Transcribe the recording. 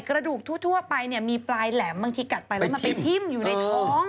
กระดูกทั่วไปเนี่ยมีปลายแหลมบางทีกัดไปแล้วมันไปทิ้มอยู่ในท้อง